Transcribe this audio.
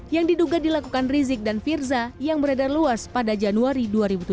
yang diduga dilakukan rizik dan firza yang beredar luas pada januari dua ribu tujuh belas